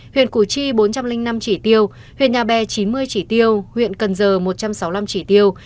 huyện củ chi bốn trăm linh năm chỉ tiêu huyện nhà bè chín mươi chỉ tiêu huyện cần giờ một trăm sáu mươi năm chỉ tiêu